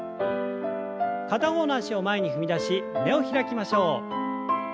片方の脚を前に踏み出し胸を開きましょう。